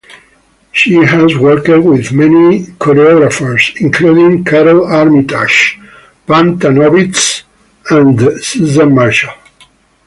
She has worked with many choreographers, including Karole Armitage, Pam Tanowitz, and Susan Marshall.